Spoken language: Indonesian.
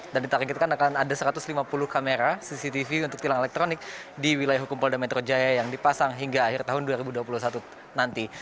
dan ditarikkan akan ada satu ratus lima puluh kamera cctv untuk tilang elektronik di wilayah hukum polda metro jaya yang dipasang hingga akhir tahun dua ribu dua puluh satu nanti